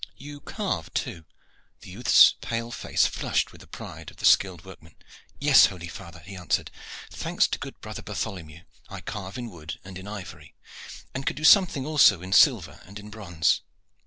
You carve too?" The youth's pale face flushed with the pride of the skilled workman. "Yes, holy father," he answered. "Thanks to good brother Bartholomew, I carve in wood and in ivory, and can do something also in silver and in bronze.